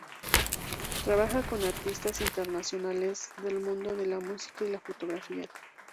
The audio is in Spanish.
Trabaja con artistas internacionales del mundo de la música y la fotografía.